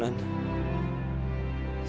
saya salah tuhan